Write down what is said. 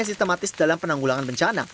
lahan ini berada dalam penanggulangan bencana